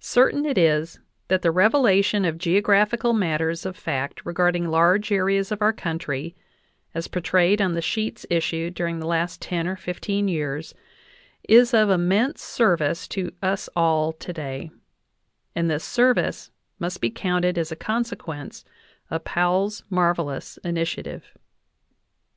Certain it is that the revelation of geographical matters of fact regarding large areas of our country, as portrayed on the sheets issued during the last ten or fifteen years, is of immense service to us all today ; and this service must be counted as a consequence of Powell's marvelous initiative.